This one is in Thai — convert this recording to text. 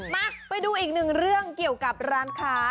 มาดูอีกหนึ่งเรื่องเกี่ยวกับร้านค้า